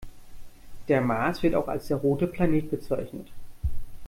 Der Mars wird auch als der „rote Planet“ bezeichnet.